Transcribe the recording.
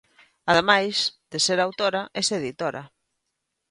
Ademais de ser autora es editora.